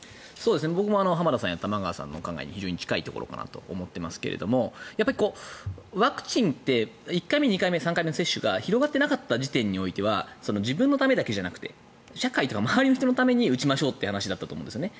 僕も浜田さんや玉川さんの考えに非常に近いところかなと思っていますがワクチンって１回目、２回目、３回目接種が広がってなかった時点においては自分のためだけじゃなくて社会とか周りの人のために打ちましょうという話だったと思うんですね。